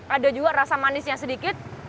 ada juga rasa manisnya sedikit